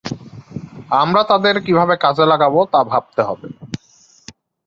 আমরা তাদের কীভাবে কাজে লাগাব তা ভাবতে হবে।